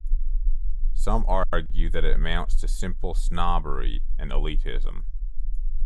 Some argue that it amounts to simple snobbery and elitism.